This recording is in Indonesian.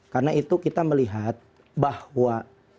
karena itu kita melihat bahwa